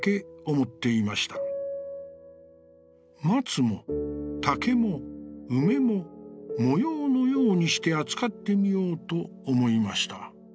「松も竹も梅も模様のようにして扱ってみようと思いました」。